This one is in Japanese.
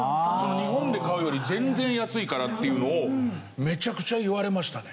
日本で買うより全然安いからっていうのをめちゃくちゃ言われましたね。